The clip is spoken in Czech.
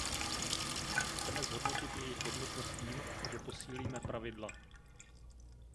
Chceme zhodnotit jejich jednotnost tím, že posílíme pravidla.